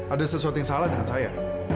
ada sesuatu yang salah dengan saya